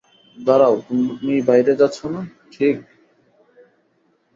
দাঁড়াও, তুমি বাইরে যাচ্ছ না, ঠিক?